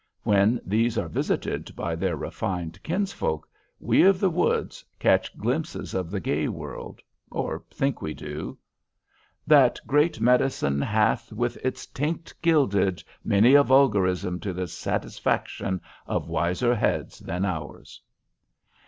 When these are visited by their refined kinsfolk, we of the woods catch glimpses of the gay world, or think we do. That great medicine hath With its tinct gilded— many a vulgarism to the satisfaction of wiser heads than ours.